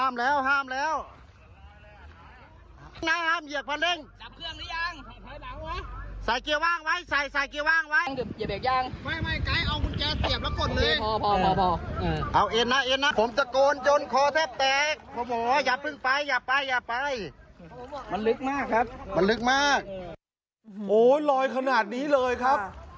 มันลึกมากครับมันลึกมากโอ้ยรอยขนาดนี้เลยครับ